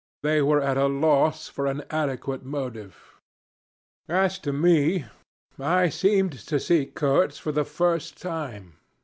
They were at a loss for an adequate motive. As to me, I seemed to see Kurtz for the first time.